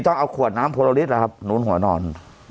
ต้องเอาขวดน้ำโพโลลิสล่ะครับโน้นหัวนอน